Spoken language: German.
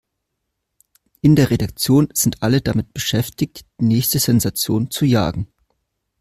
In der Redaktion sind alle damit beschäftigt, die nächste Sensation zu jagen.